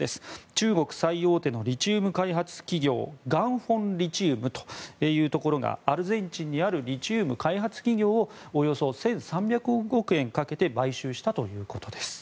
中国最大手のリチウム開発企業ガンフォンリチウムがアルゼンチンにあるリチウム開発企業をおよそ１３００億円かけて買収したということです。